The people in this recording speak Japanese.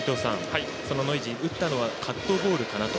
そのノイジー、打ったのはカットボールかなと。